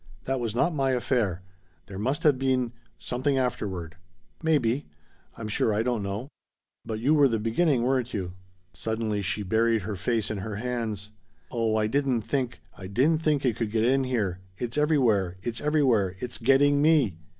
"That was not my affair. There must have been something afterward." "Maybe. I'm sure I don't know. But you were the beginning, weren't you?" Suddenly she buried her face in her hands. "Oh I didn't think I didn't think it could get in here! It's everywhere! It's everywhere! It's getting me!"